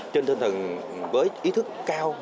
trên thân thần với ý thức cao